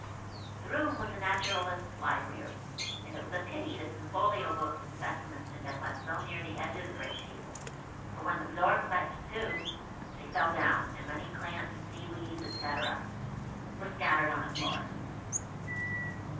The room was a naturalist's library, and it was a pity that some folio books of specimens had been left so near the edge of the great table, for, when the door clapt to, they fell down, and many plants, sea weeds, &c., were scattered on the floor.